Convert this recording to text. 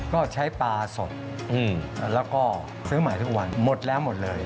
ก็ใช้ปลาสดแล้วก็ซื้อใหม่ทุกวันหมดแล้วหมดเลย